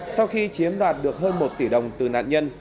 sau khi chiếm đoạt được hơn một tỷ đồng từ nạn nhân